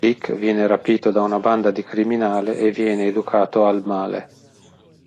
Dick viene rapito da una banda di criminali e viene educato al Male.